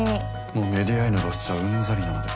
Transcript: もうメディアへの露出はうんざりなので。